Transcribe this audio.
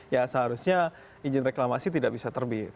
ya seharusnya izin reklamasi tidak bisa terbit